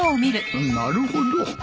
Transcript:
なるほど。